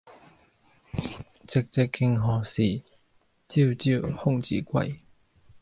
寂寂竟何待，朝朝空自歸。